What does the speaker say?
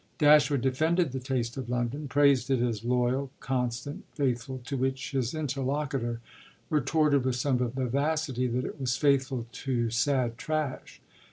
Dashwood defended the taste of London, praised it as loyal, constant, faithful; to which his interlocutor retorted with some vivacity that it was faithful to sad trash.